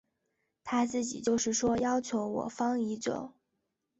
他自己就是说要求我方已久。